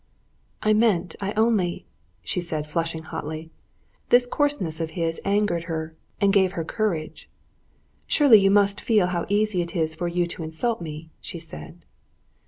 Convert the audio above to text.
"I meant, I only...." she said, flushing hotly. This coarseness of his angered her, and gave her courage. "Surely you must feel how easy it is for you to insult me?" she said.